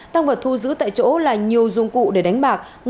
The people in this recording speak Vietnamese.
tăng vật thu giữ tại chỗ là nhiều dụng cụ để đánh bạc